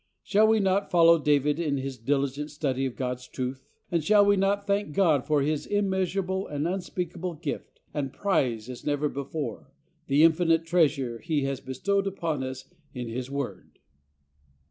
Shall we not follow David in his diligent study of God's truth, and shall we not thank God for His immeasurable and unspeakable gift, and prize as never before the infinite treasure He has bestowed upon us in His Word?